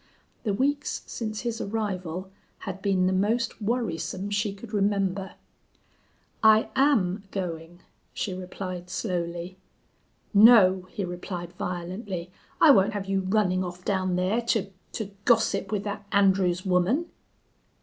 The weeks since his arrival had been the most worrisome she could remember. "I am going," she replied, slowly. "No!" he replied, violently. "I won't have you running off down there to to gossip with that Andrews woman."